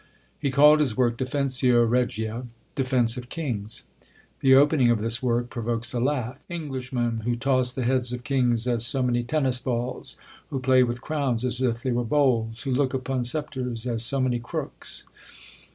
He called his work Defensio Regia, Defence of Kings. The opening of this work provokes a laugh: "Englishmen! who toss the heads of kings as so many tennis balls; who play with crowns as if they were bowls; who look upon sceptres as so many crooks."